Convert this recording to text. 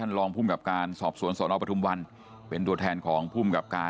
รองภูมิกับการสอบสวนสนปทุมวันเป็นตัวแทนของภูมิกับการ